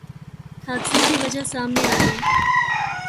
حادثے کی وجہ سامنے آگئی